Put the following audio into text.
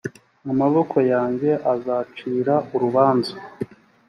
amaboko yanjye azacira urubanza